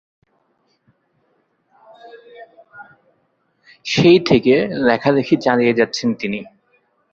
সেই থেকে লেখালেখি চালিয়ে যাচ্ছেন তিনি।